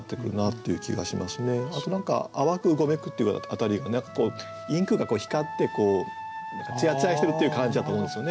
あと何か「淡くうごめく」っていう辺りが何かこうインクが光ってつやつやしてるっていう感じだと思うんですよね。